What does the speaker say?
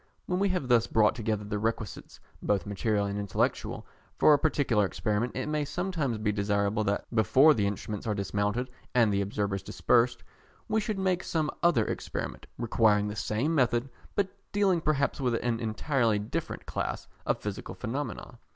When we have thus brought together the requisites, both material and intellectual, for a particular experiment, it may sometimes be desirable that before the instruments are dismounted and the observers dispersed, we should make some other experiment, requiring the same method, but dealing perhaps with an entirely different class of physical phenomena.